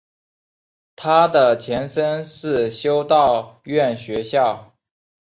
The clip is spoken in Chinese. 它的前身是修道院学校。